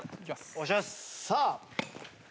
お願いします。